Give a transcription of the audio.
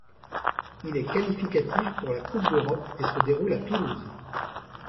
Il est qualificatif pour la Coupe d'Europe et se déroule à Toulouse.